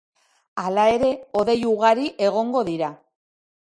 Hala ere, hodei ugari egongo dira.